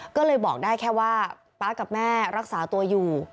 ก็เลยบอกได้แค่ว่าป๊ากับแม่รักษาตัวอยู่